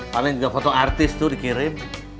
paling juga foto artis tuh dikirim